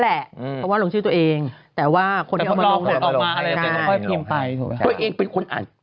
แหละเขาว่าลงชื่อตัวเองแต่ว่าคนที่สอนมาได้เลยค่อยไปตัวเองเป็นคนอ่าน